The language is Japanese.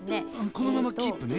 このままキープね。